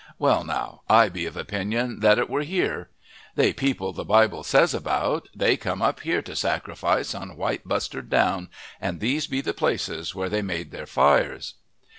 Well now, I be of opinion that it were here. They people the Bible says about, they come up here to sacrifice on White Bustard Down, and these be the places where they made their fires."